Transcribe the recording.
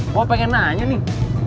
gue pengen nanya nih